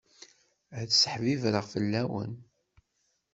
Ad seḥbibreɣ fell-awen.